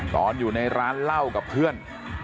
ตอนอยู่ในร้านเหล้ากับเพื่อน